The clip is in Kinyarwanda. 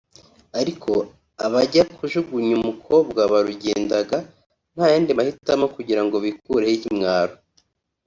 ariko abajya kujugunya umukobwa barugendaga nta yandi mahitamo kugira ngo bikureho ikimwaro